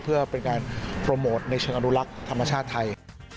เพื่อเป็นการโปรโมทในเชิงอนุรักษ์ธรรมชาติไทย